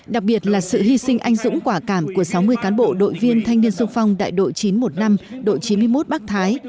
đặc biệt là sự hy sinh anh dũng quả cảm của sáu mươi cán bộ đội viên thanh niên sung phong đại đội chín trăm một mươi năm đội chín mươi một bắc thái